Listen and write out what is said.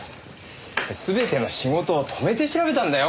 全ての仕事を止めて調べたんだよ